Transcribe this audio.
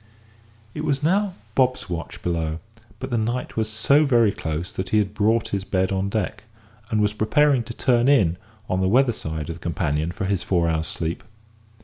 It was now Bob's watch below; but the night was so very close that he had brought his bed on deck, and was preparing to "turn in" on the weather side of the companion for his four hours' sleep.